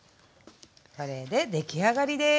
これで出来上がりです。